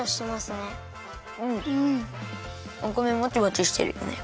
お米モチモチしてるよね。